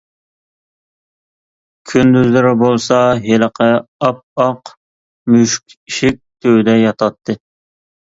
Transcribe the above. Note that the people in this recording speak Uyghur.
كۈندۈزلىرى بولسا، ھېلىقى ئاپئاق مۈشۈك ئىشىك تۈۋىدە ياتاتتى.